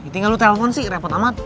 tinggal lu telpon sih repot amat